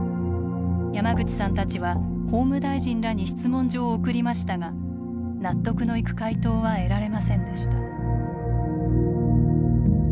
山口さんたちは法務大臣らに質問状を送りましたが納得のいく回答は得られませんでした。